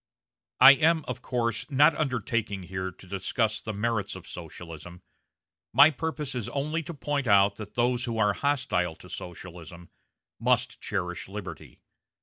I am, of course, not undertaking here to discuss the merits of Socialism; my purpose is only to point out that those who are hostile to Socialism must cherish liberty.